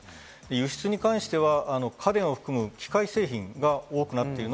輸出に関しては、家電を含む機械製品が多くなっている。